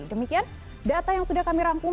demikian data yang sudah kami rangkum